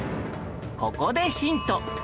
ここでヒント